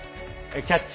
「キャッチ！